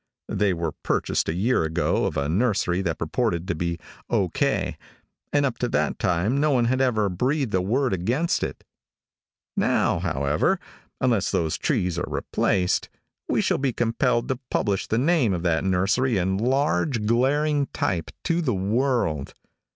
They were purchased a year ago of a nursery that purported to be O. K., and up to that time no one had ever breathed a word against it. Now, however, unless those trees are replaced, we shall be compelled to publish the name of that nursery in large, glaring type, to the world.